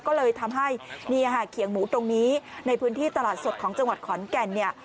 ก็เลยทำให้เขียงหมูตรงนี้ในพื้นที่ตลาดสดของจังหวัดขอนแก่นเนี่ย